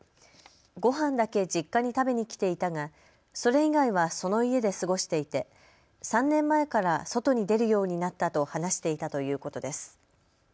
ごはんだけ実家に食べにきていたがそれ以外はその家で過ごしていて３年前から外に出るようになったと話していたということです。